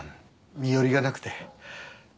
身寄りがなくて。